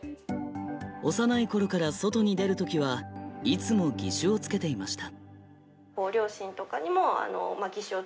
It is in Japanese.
幼いころから外に出る時はいつも義手をつけていました。